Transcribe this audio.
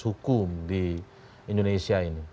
hukum di indonesia ini